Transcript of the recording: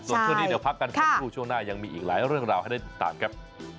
ส่วนช่วงนี้เดี๋ยวพักกันสักครู่ช่วงหน้ายังมีอีกหลายเรื่องราวให้ได้ติดตามครับ